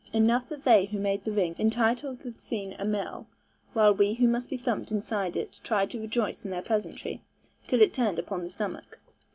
Enough that they who made the ring intituled the scene a 'mill,' while we who must be thumped inside it tried to rejoice in their pleasantry, till it turned upon the stomach.